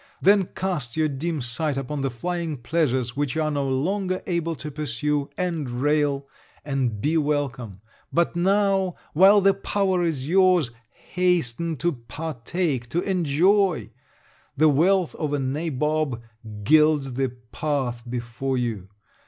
Then cast your dim sight upon the flying pleasures which you are no longer able to pursue, and rail, and be welcome! But now, while the power is your's, hasten to partake, to enjoy! The wealth of a nabob gilds the path before you!